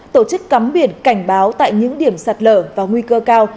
tổ chức cắm biển cảnh báo tại những điểm sạt lở và nguy cơ cao